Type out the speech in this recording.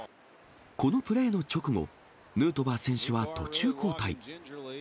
このプレーの直後、ヌートバー選手は途中交代。